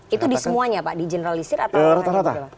itu di semuanya pak di generalisir atau